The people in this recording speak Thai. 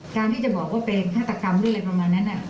การที่จะบอกว่าเป็นฆาตกรรมด้วยอะไรประมาณนั้น